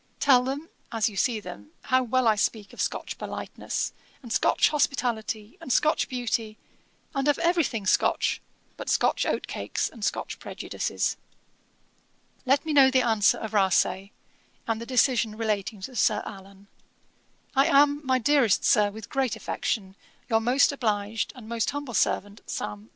Tell them, as you see them, how well I speak of Scotch politeness, and Scotch hospitality, and Scotch beauty, and of every thing Scotch, but Scotch oat cakes, and Scotch prejudices. 'Let me know the answer of Rasay, and the decision relating to Sir Allan. 'I am, my dearest Sir, with great affection, 'Your most obliged, and 'Most humble servant, 'SAM.